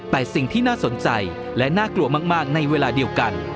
แต่สิ่งที่น่าสนใจและน่ากลัวมากในเวลาเดียวกัน